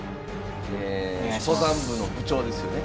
え登山部の部長ですよね。